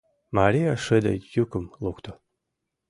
— Мария шыде йӱкым лукто.